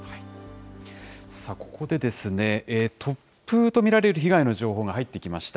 さあ、ここでですね、突風と見られる被害の情報が入ってきました。